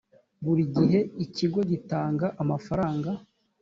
buri gihe ikigo gitanga amafaranga